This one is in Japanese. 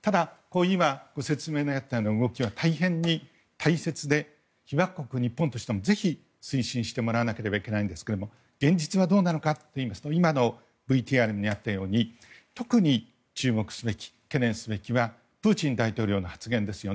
ただ、今ご説明にあったような動きは大変に大切で被爆国日本としてもぜひ推進してもらわなければいけないんですけども現実はどうなのかといいますと今のＶＴＲにあったように特に注目すべきはプーチン大統領の発言ですね。